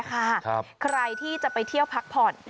ใครที่จะไปเที่ยวพักผ่อน